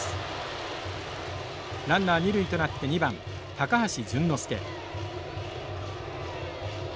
ランナー二塁となって２番高橋隼之介。